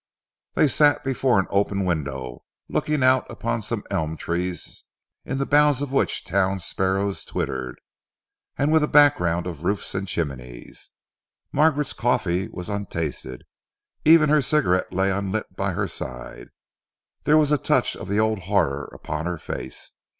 They sat before an open window, looking out upon some elm trees in the boughs of which town sparrows twittered, and with a background of roofs and chimneys. Margaret's coffee was untasted, even her cigarette lay unlit by her side. There was a touch of the old horror upon her face.